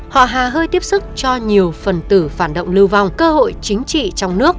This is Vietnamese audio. họ hà hơi tiếp sức cho nhiều phần tử phản động lưu vong cơ hội chính trị trong nước